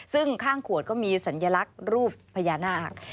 ซึ่งข้างขวดก็มีสัญลักษณ์รูปพญานาค